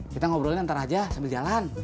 kita ngobrolnya ntar aja sambil jalan